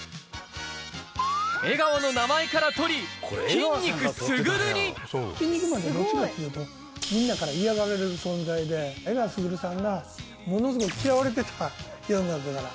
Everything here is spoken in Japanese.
江川の名前から取り、キン肉キン肉マンって、どっちかっていうと、みんなから嫌がられる存在で、江川卓さんが、ものすごい嫌われてた、世の中から。